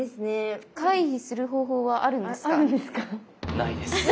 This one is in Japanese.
回避する方法はあるんですか？